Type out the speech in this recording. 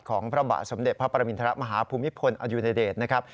ของพระบาสมเด็จพระปรมินทะละมหาภูมิภนอโยนเดดท์นะครับ